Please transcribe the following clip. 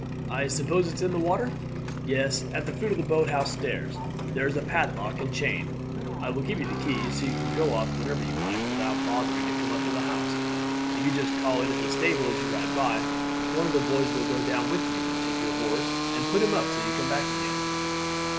I suppose it's in the water?" "Yes; at the foot of the boathouse stairs. There is a padlock and chain. I will give you the key, so you can go off whenever you like without bothering to come up to the house. If you just call in at the stable as you ride by, one of the boys will go down with you and take your horse and put him up till you come back again."